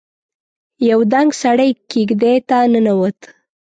يو دنګ سړی کېږدۍ ته ننوت.